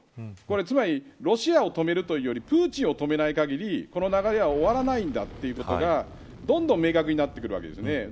つまり、ロシアを止めるというより、プーチンを止めない限りこの流れは終わらないんだということがどんどん明確になってくるわけです。